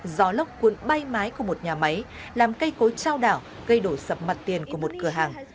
gió lốc cuốn bay mái của một nhà máy làm cây cối trao đảo gây đổ sập mặt tiền của một cửa hàng